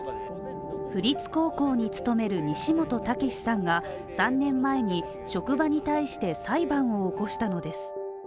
府立高校に勤める西本武史さんが３年前に職場に対して裁判を起こしたのです。